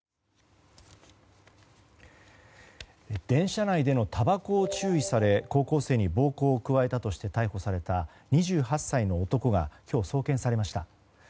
電車内でのたばこを注意され高校生に暴行を加えたとして逮捕された２８歳の男が今日、送検されました。